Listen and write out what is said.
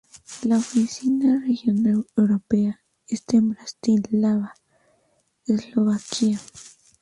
La oficina regional europea está en Bratislava, Eslovaquia.